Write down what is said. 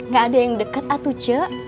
gak ada yang deket atu ce